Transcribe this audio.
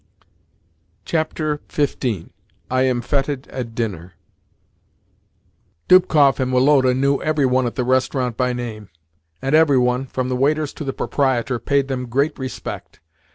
XV. I AM FETED AT DINNER Dubkoff and Woloda knew every one at the restaurant by name, and every one, from the waiters to the proprietor, paid them great respect.